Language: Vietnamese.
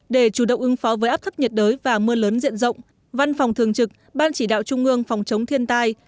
để chủ động ứng phó với áp thấp nhiệt đới và mưa lớn diện rộng văn phòng thường trực ban chỉ đạo trung ương phòng chống thiên tai